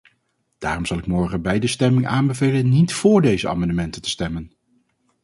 Daarom zal ik morgen bij de stemming aanbevelen niet vóór deze amendementen te stemmen.